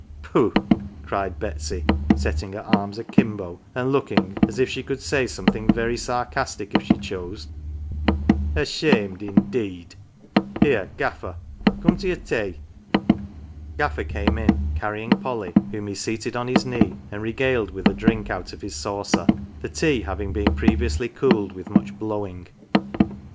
" Pooh," cried Betsy, setting her arms akimbo, and looking as if she could say something very sarcastic if 41 GAFFER'S CHILD she chose, " ashamed, indeeed ! Here, Gaffer, come to your tay." Gaffer came in, carrying Polly, whom he seated on his knee, and regaled with a drink out of his saucer, the tea having been previously cooled with much blow ing.